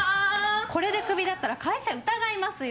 これでクビだったら会社疑いますよ。